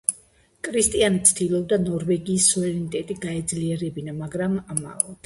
კრისტიანი ცდილობდა ნორვეგიის სუვერენიტეტი გაეძლიერებინა, მაგრამ ამაოდ.